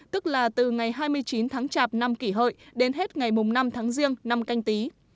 tức là từ ngày hai mươi chín tháng chạp năm kỷ hợi đến hết ngày năm tháng riêng năm canh tí